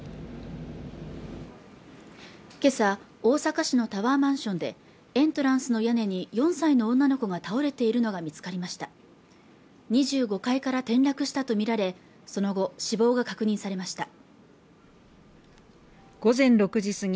今朝、大阪市のタワーマンションでエントランスの屋根に４歳の女の子が倒れているのが見つかりました２５階から転落したと見られその後死亡が確認されました午前６時過ぎ